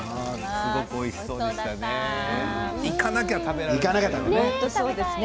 すごくおいしそうでしたね。